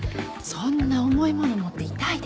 そんな重いもの持って痛いでしょ？